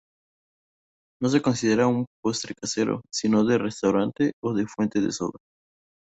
No se considera un postre casero, sino de restaurante o de fuente de soda.